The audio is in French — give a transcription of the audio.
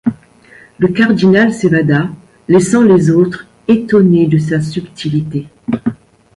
Le cardinal s’évada, laissant les aultres estonnez de sa subtilité.